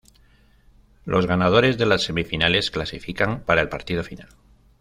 Los ganadores de las semifinales clasifican para el partido final.